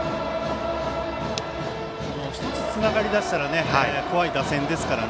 １つつながりだしたら怖い打線ですから。